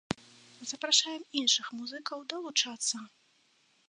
Запрашаем іншых музыкаў далучацца!